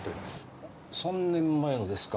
３年前のですか。